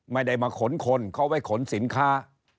ไม่ได้มาขนคนเขาไว้ขนสินค้า